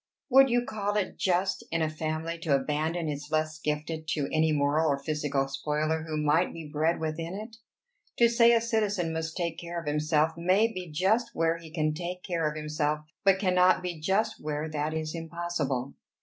Would you call it just in a family to abandon its less gifted to any moral or physical spoiler who might be bred within it? To say a citizen must take care of himself may be just where he can take care of himself, but cannot be just where that is impossible.